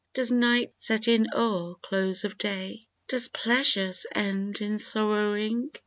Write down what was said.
Does Night set in e'er close of Day? Does Pleasure end in sorrowing?